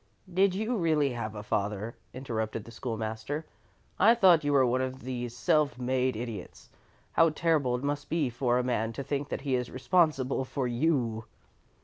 "Did you really have a father?" interrupted the School master. "I thought you were one of these self made Idiots. How terrible it must be for a man to think that he is responsible for you!"